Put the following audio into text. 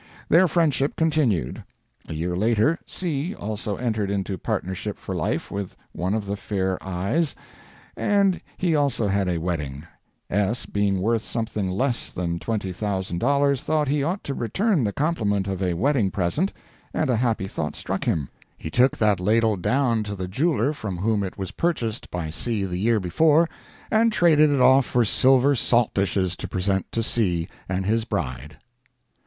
Their friendship continued. A year later C., also entered into partnership for life with one of the fair Eyes; and he also had a wedding. S., being worth something less than $20,000, thought he ought to return the compliment of a wedding present, and a happy thought struck him. He took that ladle down to the jeweller from whom is was purchased by C. the year before, and traded it off for silver salt dishes to present to C. and his bride.